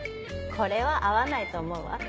これは合わないと思うわ。